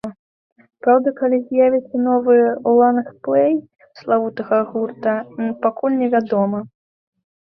Праўда, калі з'явіцца новы лонгплэй славутага гурта, пакуль не вядома.